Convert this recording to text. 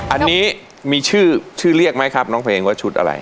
อันนี้มีชื่อชื่อเรียกไหมครับน้องเพลงว่าชุดอะไร